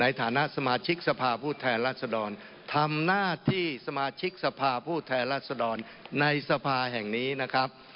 ในฐานะสมาชิกสภาพผู้แทนรัศดรทำหน้าที่สมาชิกสภาผู้แทนรัศดรในสภาแห่งนี้นะครับ